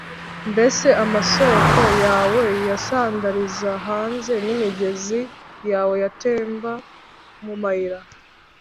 mbese amasōko yawe yasandarira hanze, n’imigezi yawe yatemba mu mayira’